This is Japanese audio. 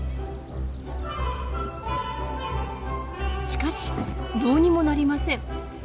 しかしどうにもなりません。